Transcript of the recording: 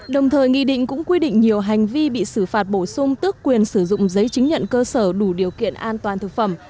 đồng thời nghị định cũng quy định nhiều hành vi bị xử phạt bổ sung tước quyền sử dụng giấy chứng nhận cơ sở đủ điều kiện an toàn thực phẩm